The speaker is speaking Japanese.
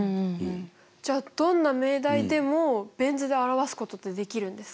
じゃあどんな命題でもベン図で表すことってできるんですか？